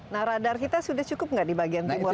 nah radar kita sudah cukup nggak di bagian timur